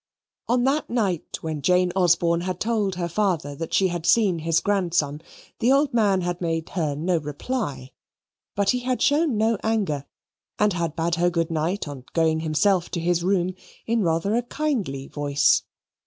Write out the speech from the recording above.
On that night when Jane Osborne had told her father that she had seen his grandson, the old man had made her no reply, but he had shown no anger and had bade her good night on going himself to his room in rather a kindly voice.